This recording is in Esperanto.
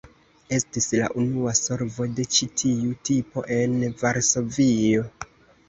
Estis la unua solvo de ĉi tiu tipo en Varsovio.